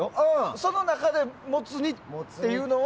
その中でモツ煮っていうのは？